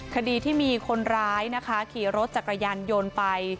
คดีที่มีคนร้ายนะคะขี่รถจักรยานยนต์ไป